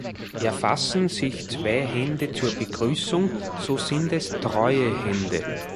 Erfassen sich zwei Hände zur Begrüßung, so sind es "treue Hände".